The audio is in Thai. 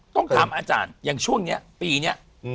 ต้องถามอาจารย์อย่างช่วงนี้ปีนี้